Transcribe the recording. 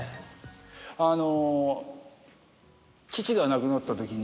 あの。